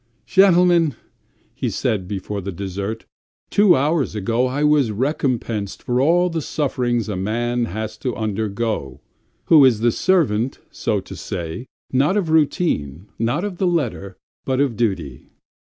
"Gentlemen!" he said before the dessert, "two hours ago I was recompensed for all the sufferings a man has to undergo who is the servant, so to say, not of routine, not of the letter, but of duty!